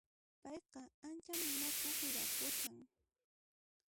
Payqa ancha munakuq wiraquchan